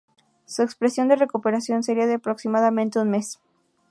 Su tiempo de recuperación sería de aproximadamente un mes.